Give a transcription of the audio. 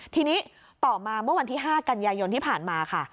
ทีนี้ต่อมาเมื่อวันที่๕กันยายนที่ผ่านมาค่ะ